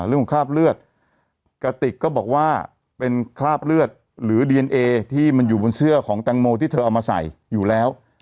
คราบเลือดกระติกก็บอกว่าเป็นคราบเลือดหรือดีเอนเอที่มันอยู่บนเสื้อของแตงโมที่เธอเอามาใส่อยู่แล้ว